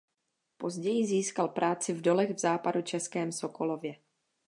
Později získal práci v dolech v západočeském Sokolově.